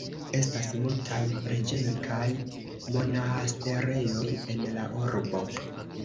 Estas multaj preĝejoj kaj monaasterejoj en la urbo.